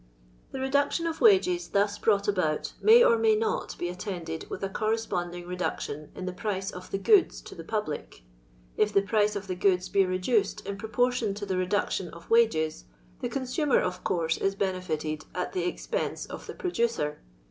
The reduction of wages thus brought about may or may not be attended with a corre sponding reduction in the price of the goods to tho public; if the price of the goods be reduced in proportion to the reduction of wages, the consumer, of course, is benefitfd at the expense of the producer.